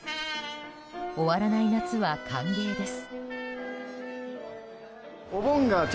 終わらない夏は歓迎です。